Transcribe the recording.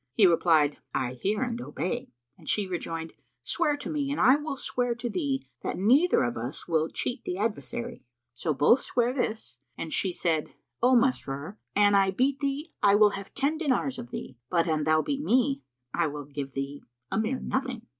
He replied, "I hear and obey," and she rejoined, "Swear to me and I will swear to thee that neither of us will cheat[FN#323] the adversary." So both sware this and she said, "O Masrur, an I beat thee, I will have ten dinars of thee, but an thou beat me, I will give thee a mere nothing."